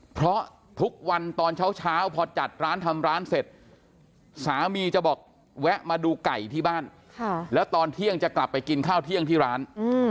เพราะทุกวันตอนเช้าพอจัดร้านทำร้านเสร็จสามีจะบอกแวะมาดูไก่ที่บ้านแล้วตอนเที่ยงจะกลับไปกินข้าวเที่ยงที่ร้าน